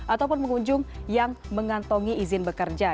ataupun pengunjung yang mengantongi izin bekerja